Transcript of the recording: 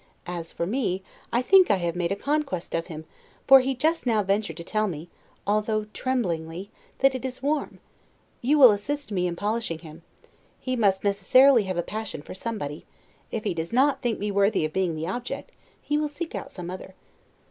As for me, I think I have made a conquest of him; for he just now ventured to tell me, although tremblingly, that it is warm. You will assist me in polishing him. He must necessarily have a passion for somebody; if he does not think me worthy of being the object, he will seek out some other.